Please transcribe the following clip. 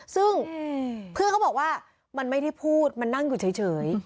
ซึ่งเพื่อนเขาบอกว่ามันไม่ได้พูดมันนั่งอยู่เฉย